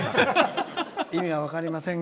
意味が分かりません。